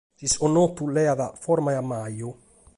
S’isconnotu leat forma e ammaju.